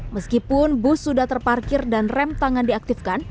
meskipun bus sudah terparkir dan rem tangan diaktifkan